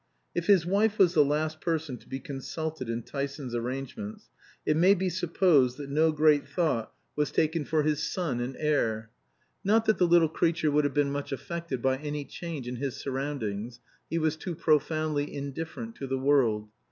If his wife was the last person to be consulted in Tyson's arrangements, it may be supposed that no great thought was taken for his son and heir. Not that the little creature would have been much affected by any change in his surroundings; he was too profoundly indifferent to the world.